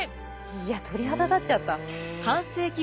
いや鳥肌立っちゃった。